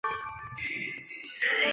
沙孟海塘溪镇沙村人。